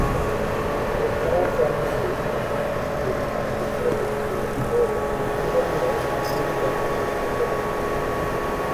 এছাড়াও চ্যানেলটি সমসাময়িক বিভিন্ন বিষয়বস্তু ও প্রসঙ্গ নিয়েও সাময়িক তথ্যচিত্র প্রদর্শন করে।